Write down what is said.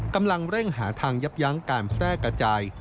กำลังเร่งหาทางยับยั้งการแพร่กระจาย